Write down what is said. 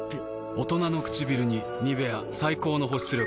大人の唇に「ニベア」最高の保湿力。